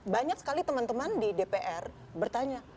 banyak sekali teman teman di dpr bertanya